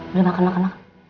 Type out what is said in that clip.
udah makan makan makan